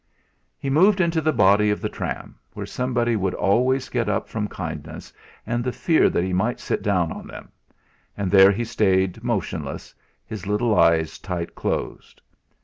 He moved into the body of the tram, where somebody would always get up from kindness and the fear that he might sit down on them; and there he stayed motionless, his little eyes tight closed.